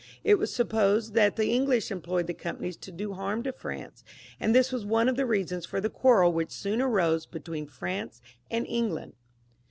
It was sup posed that the English employed the companies to do harm to France, and this was one of the reasons for the quarrel which soon arose between France and England.